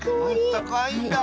あったかいんだ。